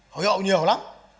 khẩu hiệu nhiều lắm